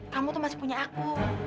kamu tuh masih punya aku